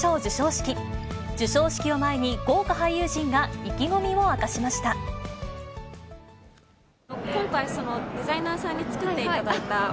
授賞式を前に、豪華俳優陣が意気込みを明かしました。